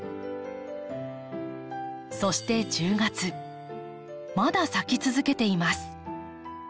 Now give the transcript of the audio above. そして１０月まだ咲き続けています。